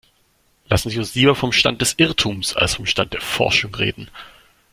Lassen Sie uns lieber vom Stand des Irrtums als vom Stand der Forschung reden.